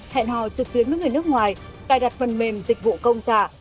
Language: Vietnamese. hẹn hò trực tuyến với người nước ngoài cài đặt phần mềm dịch vụ công giả